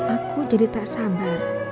aku jadi tak sabar